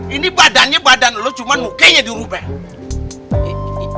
ini badannya badan lu cuman mukanya di rupek